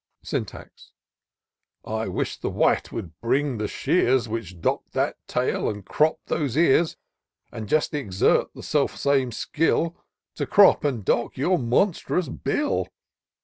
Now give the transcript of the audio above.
Syntax. " I wish the wight would bring the shears Which dock'd that tail and cropp'd those ears, And just exert the self same skill To crop and dock your monstrous bill!